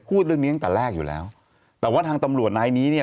พูดเรื่องนี้ตั้งแต่แรกอยู่แล้วแต่ว่าทางตำรวจนายนี้เนี่ย